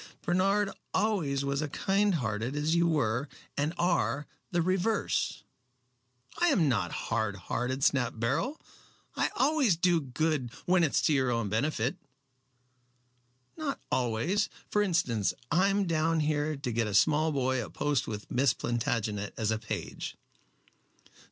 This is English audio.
"Bernard always was as kind hearted as you were and are, the reverse." "I am not hard hearted," snapped Beryl. "I always do good " "When it is to your own benefit." "Not always. For instance, I am down here to get a small boy a post with Miss Plantagenet as a page."